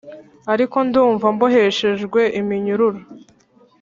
ariko ndumva mboheshejwe iminyururu,